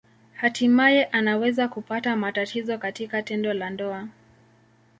Hatimaye anaweza kupata matatizo katika tendo la ndoa.